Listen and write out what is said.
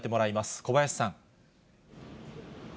小林さん。